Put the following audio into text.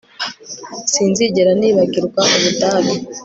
Sinzigera nibagirwa Ubudage